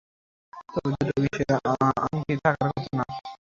তবে দুটো বিয়ের আংটি থাকার কথা না?